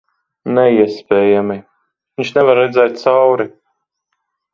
Neiespējami. Viņš nevar redzēt cauri...